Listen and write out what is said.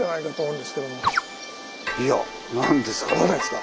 いや何ですか？